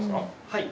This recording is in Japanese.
はい。